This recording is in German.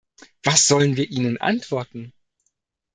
Was sollen wir ihnen antworten?